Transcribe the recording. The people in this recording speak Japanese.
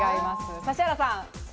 指原さん。